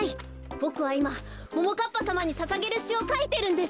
ボクはいまももかっぱさまにささげるしをかいてるんです。